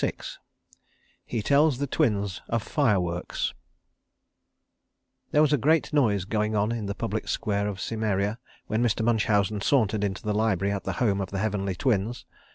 VI HE TELLS THE TWINS OF FIRE WORKS There was a great noise going on in the public square of Cimmeria when Mr. Munchausen sauntered into the library at the home of the Heavenly Twins.